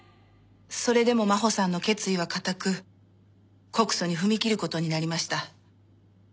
それでも真穂さんの決意は固く告訴に踏み切る事になりました。